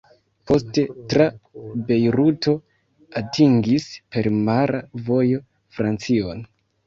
Poste tra Bejruto atingis per mara vojo Francion.